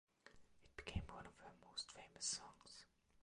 It became one of her most famous songs.